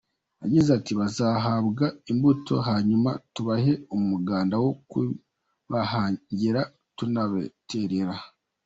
Yagize ati “Bazahabwa imbuto hanyuma tubahe umuganda wo kubahingira tunabaterere.